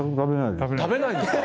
食べないんですか